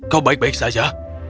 kau baik baik saja